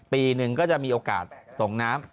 ปีหนึ่งก็จะมีโอกาสส่งน้ำ